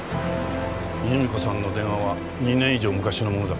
由美子さんの電話は２年以上昔のものだった。